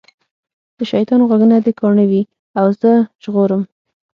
د شیطان غوږونه دي کاڼه وي او زه ژغورم.